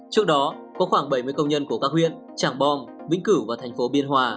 trước đó có khoảng bảy mươi công nhân của các huyện tràng bom vĩnh cửu và thành phố biên hòa